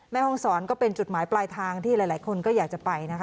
แม่ห้องศรก็เป็นจุดหมายปลายทางที่หลายคนก็อยากจะไปนะคะ